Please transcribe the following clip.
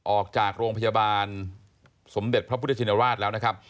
ออกจากโรงพยาบาลสมเด็จพระพุทธชินราชแล้วนะครับ